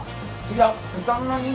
違う。